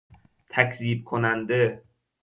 تکذیب کننده